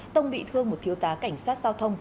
tông bị thương một thiếu tá cảnh sát giao thông